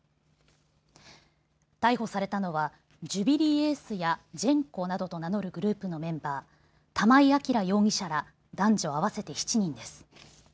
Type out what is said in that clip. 逮捕されたのはジュビリーエースやジェンコなどと名乗るグループのメンバー、玉井暁容疑者ら男女合わせて７人です。